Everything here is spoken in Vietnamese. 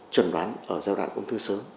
chuẩn đoán ở giai đoạn ung thư sớm